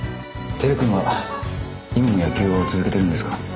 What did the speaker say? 輝君は今も野球を続けてるんですか？